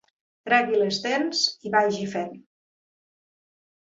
Tregui les dents i vagi fent.